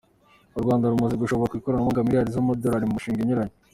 U Rwanda rumaze gushora mu ikoranabuhanga miliyari y’amadolari mu mishinga inyuranye.